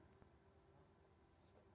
itu bagaimana dong dok